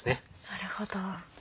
なるほど。